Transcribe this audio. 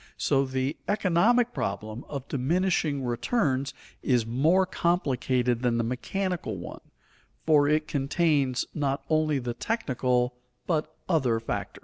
So the economic problem of diminishing returns is more complicated than the mechanical one, for it contains not only the technical but other factors.